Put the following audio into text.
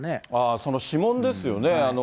その指紋ですよね。